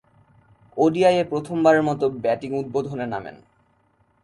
ওডিআইয়ে প্রথমবারের মতো ব্যাটিং উদ্বোধনে নামেন।